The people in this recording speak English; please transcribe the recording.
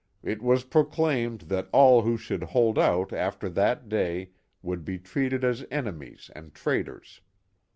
It was proclaimed that all who should hold out after that day would be treated as enemies and traitors.